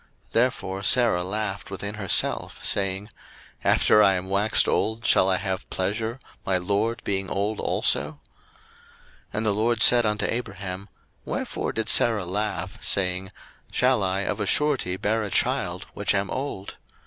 01:018:012 Therefore Sarah laughed within herself, saying, After I am waxed old shall I have pleasure, my lord being old also? 01:018:013 And the LORD said unto Abraham, Wherefore did Sarah laugh, saying, Shall I of a surety bear a child, which am old?